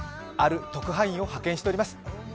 ある特派員を派遣しております。